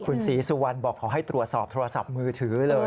คุณศีลักษณ์สู่วันบอกเขาให้ตรวษอบโทรศัพท์มือถือเลย